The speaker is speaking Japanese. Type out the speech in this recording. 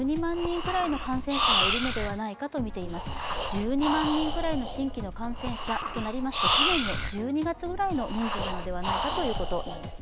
１２万人くらいの新規の感染者となりますと去年の１２月ぐらいの人数ではないかということです。